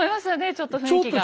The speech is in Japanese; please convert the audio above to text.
ちょっと雰囲気が。